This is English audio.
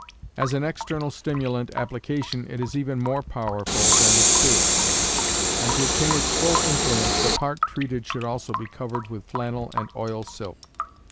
As an external stimulant application it is even more powerful than the spirits; and to obtain its full influence the part treated should be also covered with flannel and oil silk.